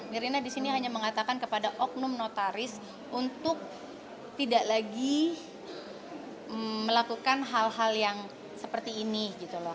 mirina disini hanya mengatakan kepada oknum notaris untuk tidak lagi melakukan hal hal yang seperti ini gitu loh